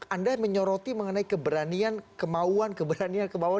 anda menyoroti mengenai keberanian kemauan keberanian kemauan